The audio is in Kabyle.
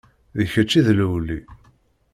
D kečč i d lewli.